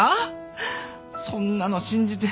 そんなの信じて。